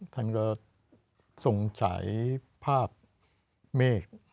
ท่านก็ทรงไฉภาพเมฆ